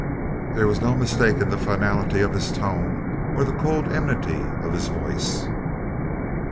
There was no mistaking the finality of his tone or the cold enmity of his voice.